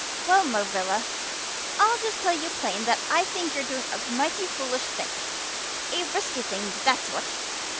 "Well, Marilla, I'll just tell you plain that I think you're doing a mighty foolish thing a risky thing, that's what.